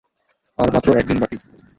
আর মাত্র একদিন বাকী।